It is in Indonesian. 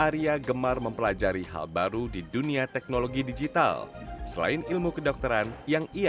sebenarnya edukasi ketika menggunakan aplikasi n corona ini